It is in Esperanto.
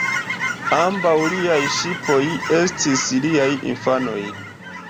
Ambaŭ liaj ŝipoj estis liaj infanoj.